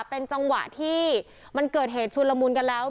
เป็นจังหวะที่มันเกิดเหตุชุนละมุนกันแล้ว